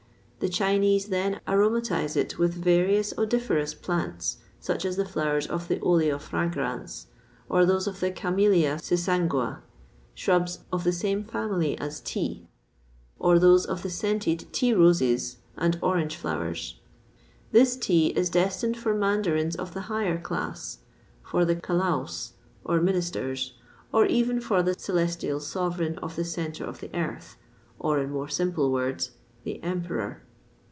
The Chinese then aromatise it with various odoriferous plants, such as the flowers of the olea fragrans, and those of the camellia sesangua, shrubs of the same family as tea; or those of the scented tea roses and orange flowers. This tea is destined for mandarins of the higher class, for the Calaos or ministers, and even for the celestial sovereign of the Centre of the Earth or, in more simple words, the Emperor.